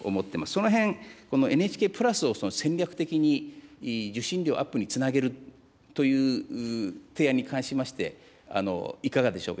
そのへん、このＮＨＫプラスを戦略的に受信料アップにつなげるという提案に関しまして、いかがでしょうか。